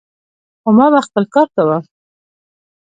خو ما به خپل کار کاوه.